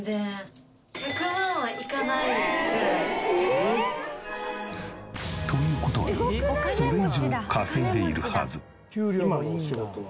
ええ？という事はそれ以上稼いでいるはず。